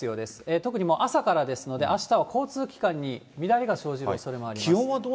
特にもう朝からですので、あしたは交通機関に乱れが生じるおそれがあります。